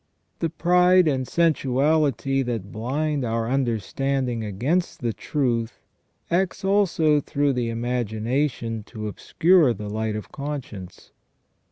The pride and sensuality that blind our understanding against the truth act also through the imagination to obscure the light of conscience.